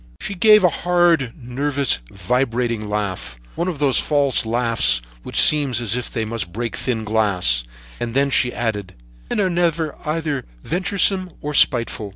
"She gave a hard, nervous, vibrating laugh; one of those false laughs which seem as if they must break thin glass, and then she added: 'Men are never either venturesome or spiteful.'